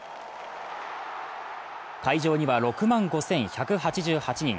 会場には６万５１８８人。